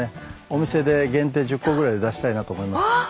お店で限定１０個ぐらいで出したいなと思います。